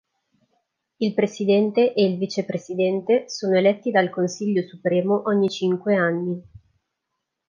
Il presidente e il vicepresidente sono eletti dal Consiglio supremo ogni cinque anni.